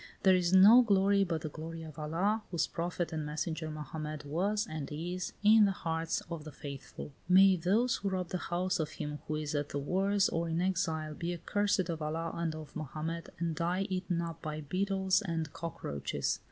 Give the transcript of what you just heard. "There is no glory but the glory of Allah, whose prophet and messenger Mohammed was and is, in the hearts of the faithful. "May those who rob the house of him who is at the wars, or in exile, be accursed of Allah and of Mohammed, and die eaten up by beetles and cockroaches!